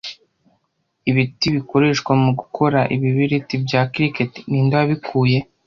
Ibiti bikoreshwa mugukora ibibiriti bya cricket, ninde wabikuye